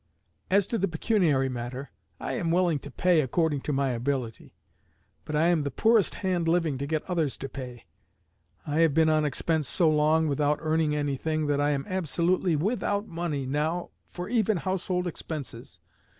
As to the pecuniary matter, I am willing to pay according to my ability, but I am the poorest hand living to get others to pay. I have been on expense so long, without earning anything, that I am absolutely without money now for even household expenses.